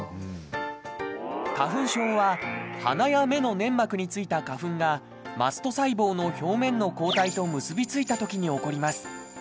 花粉症は鼻や目の粘膜についた花粉がマスト細胞の表面の抗体と結びついたときに起こります。